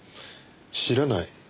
知らない？